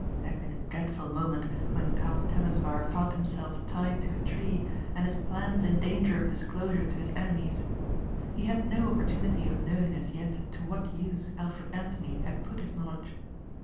It had been a dreadful moment when Count Temesvar found himself tied to a tree and his plans in danger of disclosure to his enemies. He had no opportunity of knowing as yet to what use Alfred Anthony had put his knowledge.